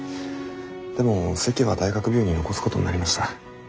でも籍は大学病院に残すことになりました。